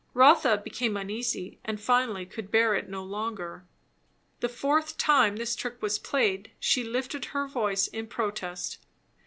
Rotha became uneasy, and finally could bear it no longer. The fourth time this trick was played, she lifted her voice in protest.